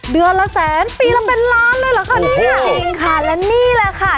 เดือนละแสนปีละเป็นล้านเลยเหรอคะเนี่ยจริงค่ะและนี่แหละค่ะ